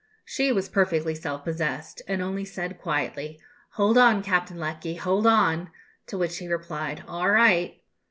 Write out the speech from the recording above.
She was perfectly self possessed, and only said quietly, "Hold on, Captain Lecky, hold on!" to which he replied, "All right."